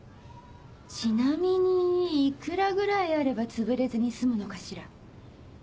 ちなみに幾らぐらいあればつぶれずに済むのかしら？